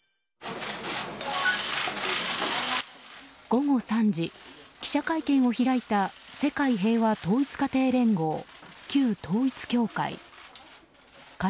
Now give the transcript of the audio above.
午後３時、記者会見を開いた世界平和統一家庭連合旧統一教会。